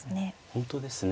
本当ですね。